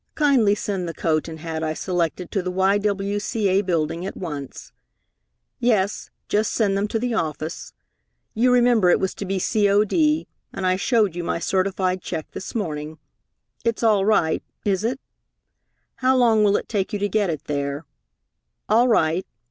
Kindly send the coat and hat I selected to the Y.W.C.A. Building at once. Yes, just send them to the office. You remember it was to be C.O.D., and I showed you my certified check this morning. It's all right, is it? How long will it take you to get it there?... All right.